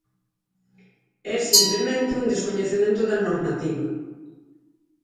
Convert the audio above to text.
É, simplemente, un descoñecemento da normativa.